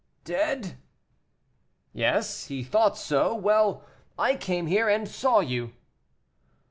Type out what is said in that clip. '" "Dead?" "Yes, he thought so; well, I came here and saw you."